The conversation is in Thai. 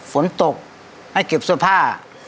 ฝนตกให้เก็บสภาพ